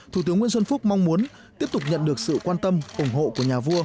thủ tướng nguyễn xuân phúc mong muốn tiếp tục nhận được sự quan tâm ủng hộ của nhà vua